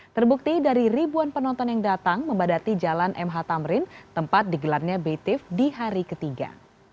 terbukti dari ribuan penonton yang datang membadati jalan mh tamrin tempat digelarnya btif di hari ketiga